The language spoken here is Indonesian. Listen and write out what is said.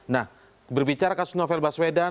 nah berbicara kasus novel baswedan